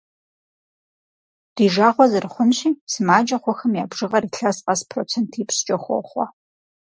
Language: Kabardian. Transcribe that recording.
Ди жагъуэ зэрыхъунщи, сымаджэ хъухэм я бжыгъэр илъэс къэс процентипщӏкӏэ хохъуэ.